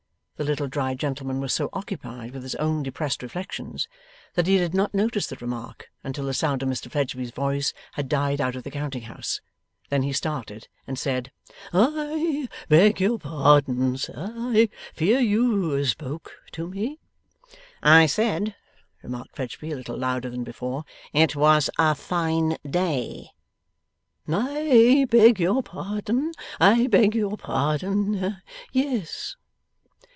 The little dried gentleman was so occupied with his own depressed reflections that he did not notice the remark until the sound of Mr Fledgeby's voice had died out of the counting house. Then he started, and said: 'I beg your pardon, sir. I fear you spoke to me?' 'I said,' remarked Fledgeby, a little louder than before, 'it was a fine day.' 'I beg your pardon. I beg your pardon. Yes.